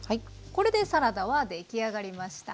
これでサラダは出来上がりました。